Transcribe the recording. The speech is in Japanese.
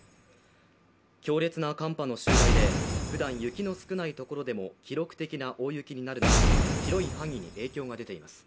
強烈な寒波の襲来でふだん雪の少ない所でも記録的な大雪になるなど広い範囲に影響が出ています